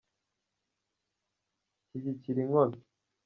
shyigikira inkono.